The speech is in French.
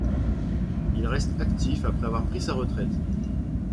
Il reste actif après avoir pris sa retraite.